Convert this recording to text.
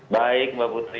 baik mbak putri